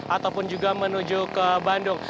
ataupun juga menuju ke bandung